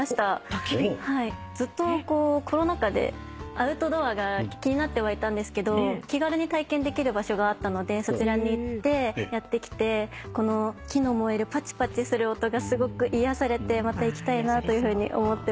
ずっとコロナ禍でアウトドアが気になってはいたんですけど気軽に体験できる場所があったのでそちらに行ってやってきて木の燃えるパチパチする音がすごく癒やされてまた行きたいなというふうに思ってます。